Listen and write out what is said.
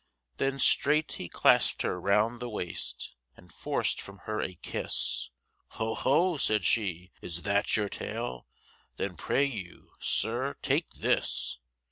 Then strait he clas'p her round the waist, And forc'd from her a kiss; Ho! ho! said she, is that your tale, Then pray you, Sir, take this.